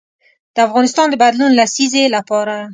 د افغانستان د بدلون لسیزې لپاره.